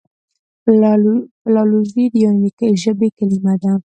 فلالوژي د یوناني ژبي کليمه ده.